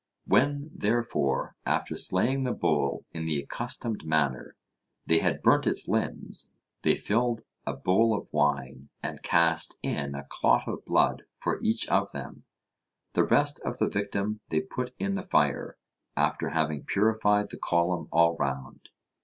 When therefore, after slaying the bull in the accustomed manner, they had burnt its limbs, they filled a bowl of wine and cast in a clot of blood for each of them; the rest of the victim they put in the fire, after having purified the column all round.